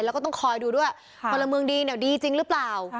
แล้วก็ต้องคอยดูด้วยพลเมืองดีเนี่ยดีจริงหรือเปล่า